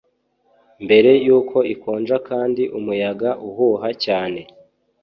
Mbere yuko ikonja kandi umuyaga uhuha cyane